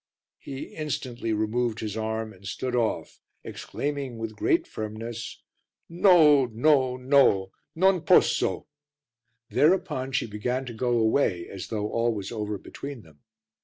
He instantly removed his arm and stood off, exclaiming with great firmness "No, no, no, non posso!" Thereupon she began to go away as though all was over between them.